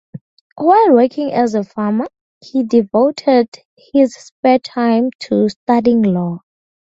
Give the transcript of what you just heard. While working as a farmer he devoted his spare time to studying law.